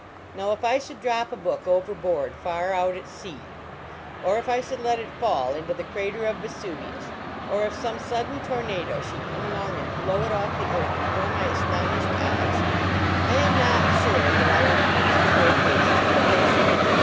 Now, if I should drop a book overboard far out at sea ; 152 A NKKilir.nRl.Y NTK.IIBOKIKM I) or if I should let it fall into the crater < f Vesuvius, or if some sudden tornado .should come along and blow it off the earth before my ,i.stoni>hed eyes, I am not sure that I would be in too great haste to replace it.